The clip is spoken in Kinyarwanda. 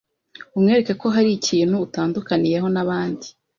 umwereke ko hari ikintu utandukaniyeho n’abandi